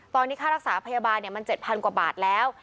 ตอนนี้ค่ารักษาพยาบาลมัน๗๐๐กว่าบาทแล้ว